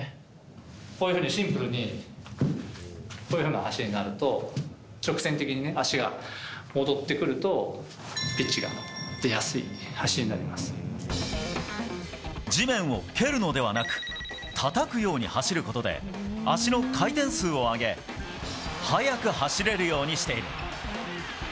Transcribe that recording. こういうふうにシンプルに、こういうふうな足になると、直線的にね、足が戻ってくると、地面を蹴るのではなく、たたくように走ることで、足の回転数を上げ、速く走れるようにしている。